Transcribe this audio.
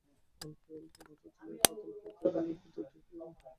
অল্পে অল্পে মাথা তুলিয়া পাতাল হইতে রঘুপতি উঠিয়া পড়িলেন।